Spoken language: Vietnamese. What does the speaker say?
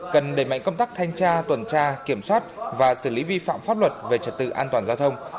cần đẩy mạnh công tác thanh tra tuần tra kiểm soát và xử lý vi phạm pháp luật về trật tự an toàn giao thông